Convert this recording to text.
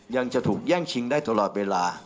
ยังจะถูกแย่งชิงได้ตลอดเวลา